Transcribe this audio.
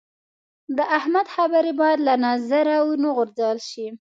د احمد خبرې باید له نظره و نه غورځول شي.